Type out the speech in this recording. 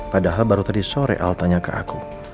padahal baru tadi sore al tanya ke aku